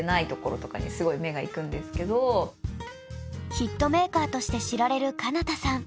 ヒットメーカーとして知られるかな多さん。